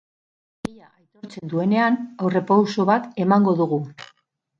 Egia aitortzen duenean, aurrerapauso bat emango dugu.